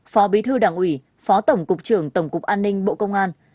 phó bí thư đảng ủy phó tổng cục trưởng tổng cục an ninh bộ công an